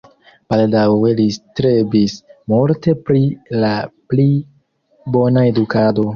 Baldaŭe li strebis multe pri la pli bona edukado.